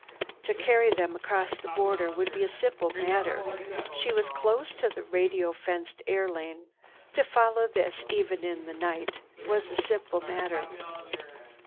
To carry them across the border would be a simple matter. She was close to a "radio fenced" air lane. To follow this, even in the night, was a simple matter.